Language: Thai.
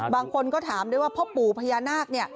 บางคนก็ถามได้ว่าเพราะปู่พญานาค